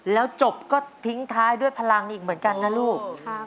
แล้วจบก็ทิ้งท้ายด้วยพลังอีกเหมือนกันนะลูก